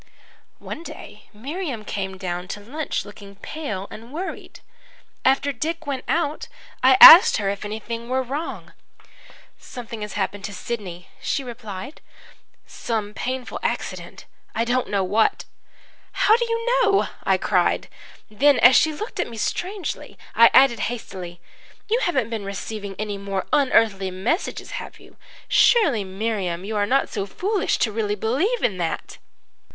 "One day Miriam came down to lunch looking pale and worried. After Dick went out, I asked her if anything were wrong. "'Something has happened to Sidney,' she replied, 'some painful accident I don't know what.' "'How do you know?' I cried. Then, as she looked at me strangely, I added hastily, 'You haven't been receiving any more unearthly messages, have you? Surely, Miriam, you are not so foolish as to really believe in that!'